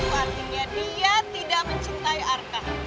dan itu artinya dia tidak mencintai arka